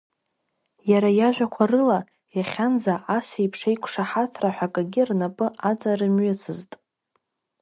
Иара иажәақәа рыла, иахьанӡа ас еиԥш еиқәшаҳаҭра ҳәа акагьы рнапы аҵарымҩыцызт.